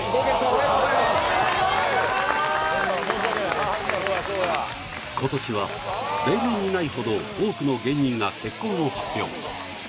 申し訳ない今年は例年にないほど多くの芸人が結婚を発表